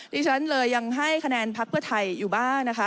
ดิฉันเลยยังให้คะแนนพักเพื่อไทยอยู่บ้างนะคะ